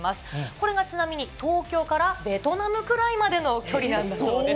これがちなみに東京からベトナムくらいまでの距離なんだそうです。